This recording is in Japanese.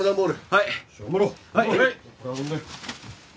はい。